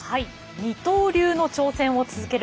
二刀流の挑戦を続ける